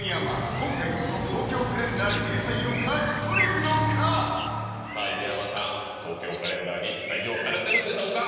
今回こそ「東京カレンダー」掲載を勝ち取れるのか⁉さあ犬山さん「東京カレンダー」に採用されてるんでしょうか？